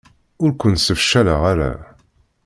Ur ken-sefcaleɣ ara.